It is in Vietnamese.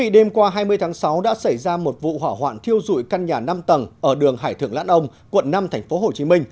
đêm qua hai mươi tháng sáu đã xảy ra một vụ hỏa hoạn thiêu dụi căn nhà năm tầng ở đường hải thượng lãn ông quận năm tp hcm